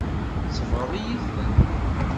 Tsebɣeḍ-iyi-ten.